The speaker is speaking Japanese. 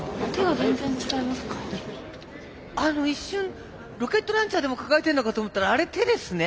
一瞬ロケットランチャーでも抱えてんのかと思ったらあれ手ですね。